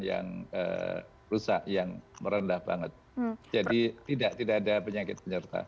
yang rusak yang merendah banget jadi tidak tidak ada penyakit penyerta